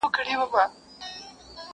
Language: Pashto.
ما چي خیبر ته حماسې لیکلې٫